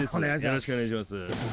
よろしくお願いします。